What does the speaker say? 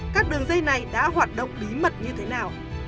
các đường dây này đã hoạt động bí mật như thế nào